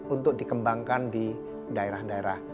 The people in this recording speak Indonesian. untuk dikembangkan di daerah daerah